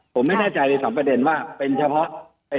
ผมไม่แน่ใจในสองประเด็นว่าเป็นเฉพาะ